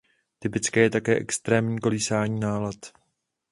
Typické je také extrémní kolísání nálad.